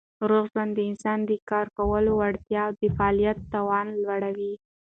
روغ ژوند د انسان د کار کولو وړتیا او د فعالیت توان لوړوي.